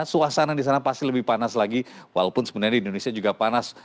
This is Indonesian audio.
suasana di sana pasti lebih panas lagi walaupun sebenarnya di indonesia juga panas